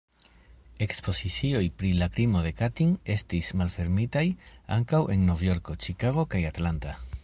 Ekspozicioj pri la krimo de Katin estis malfermitaj ankaŭ en Nov-Jorko, Ĉikago kaj Atlanta.